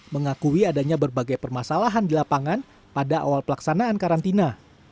mengakui adanya berbagai permasalahan di lapangan pada awal pelaksanaan karantina